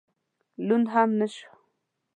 لوند هم نه شوم.